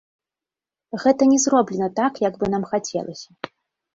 Гэта не зроблена так, як бы нам хацелася.